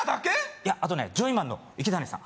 いやあとねジョイマンの池谷さん